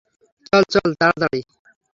চল চল, তাড়াতাড়ি।